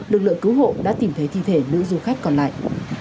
lực lượng cứu hộ đã tìm thấy thi thể nữ du khách còn lại